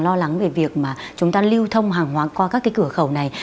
lo lắng về việc mà chúng ta lưu thông hàng hóa qua các cái cửa khẩu này